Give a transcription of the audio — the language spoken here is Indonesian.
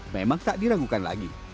memang tak diragukan lagi